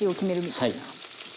はい。